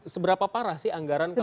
seberapa parah sih anggaran